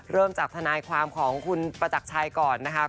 เริ่มจากทนายความของคุณประจักรชัยก่อนนะครับ